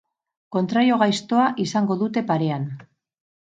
Kontrario gaiztoa izango dute parean.